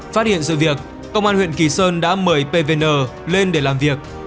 phát hiện sự việc công an huyện kỳ sơn đã mời pvn lên để làm việc